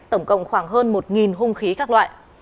tổng cộng khoảng hơn một hung khí các loại